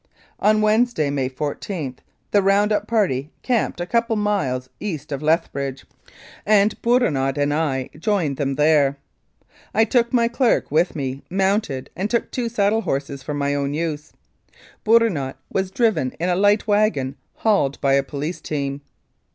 On Wednesday, May 14, the round up party camped a couple of miles east of Lethbridge, and Bourinot and 161 Mounted Police Life in Canada I joined them there. I took my clerk with me mounted, and took two saddle horses for my own use. Bourinot was driven in a light wagon hauled by a police team.